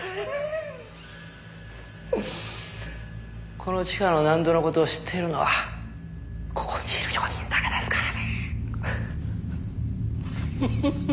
この地下の納戸の事を知っているのはここにいる４人だけですからね。